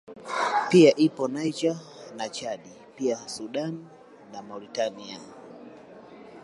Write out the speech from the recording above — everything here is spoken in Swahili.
Pia ipo Niger na Chadi pia Sudani na Mauritania